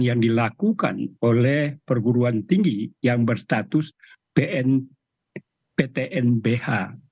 yang dilakukan oleh perguruan tinggi yang berstatus ptnbh